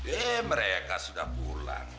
eh mereka sudah pulang